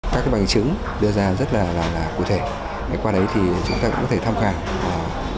các bằng chứng đưa ra rất là cụ thể qua đấy thì chúng ta cũng có thể tham khảo